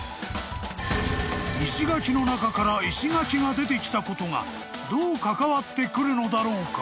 ［石垣の中から石垣が出てきたことがどう関わってくるのだろうか？］